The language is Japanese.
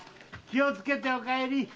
気をつけてお帰り！